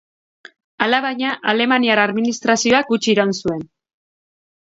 Alabaina, alemaniar administrazioak gutxi iraun zuen.